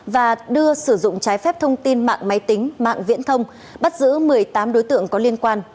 và đưa sử dụng trái phép thông tin mạng máy tính mạng viễn thông bắt giữ một mươi tám đối tượng có liên quan